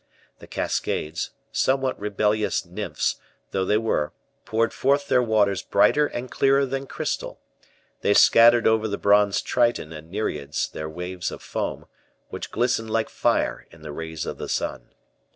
The cascades, somewhat rebellious nymphs though they were, poured forth their waters brighter and clearer than crystal: they scattered over the bronze triton and nereids their waves of foam, which glistened like fire in the rays of the sun.